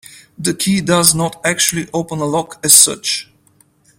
The key does not actually open a lock as such.